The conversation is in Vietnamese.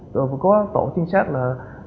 rồi có tổ trinh sát là